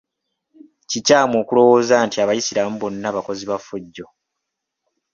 Kikyamu okulowooza nti abayisiraamu bonna bakozi ba ffujjo.